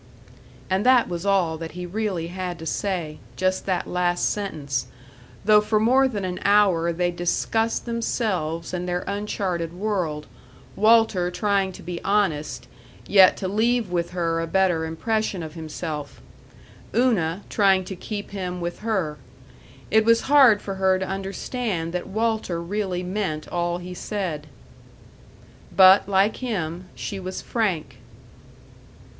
And that was all that he really had to say, just that last sentence, though for more than an hour they discussed themselves and their uncharted world, Walter trying to be honest, yet to leave with her a better impression of himself; Una trying to keep him with her. It was hard for her to understand that Walter really meant all he said. But, like him, she was frank.